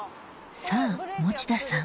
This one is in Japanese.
さぁ持田さん